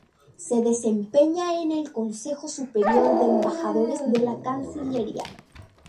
Se desempeña en el Consejo Superior de Embajadores de la Cancillería.